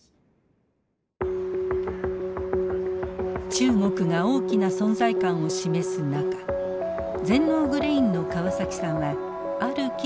中国が大きな存在感を示す中全農グレインの川崎さんはある企業を訪ねました。